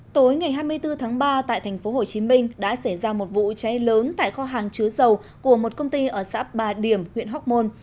tối ngày hai mươi bốn tháng ba tại thành phố hồ chí minh đã xảy ra một vụ cháy lớn tại kho hàng chứa dầu của một công ty ở xã bà điểm huyện hóc môn